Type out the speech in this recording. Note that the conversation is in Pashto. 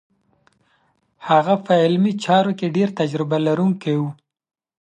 هغه په علمي چارو کې ډېر تجربه لرونکی و.